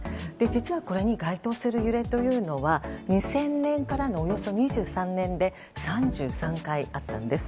実はこれに該当する揺れというのは２０００年からのおよそ２３年で３３回あったんです。